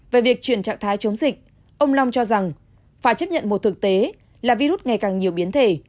về việc chuyển trạng thái chống dịch ông long cho rằng phải chấp nhận một thực tế là virus ngày càng nhiều biến thể